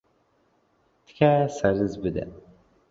تکایە سەرنج بدەن.